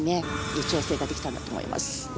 いい調整ができたんだと思います。